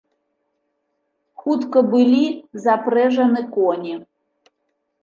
Хутка былі запрэжаны коні.